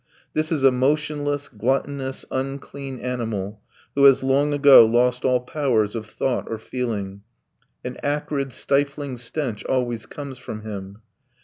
This is a motionless, gluttonous, unclean animal who has long ago lost all powers of thought or feeling. An acrid, stifling stench always comes from him.